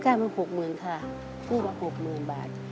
แค่ประมาณ๖๐๐๐๐บาท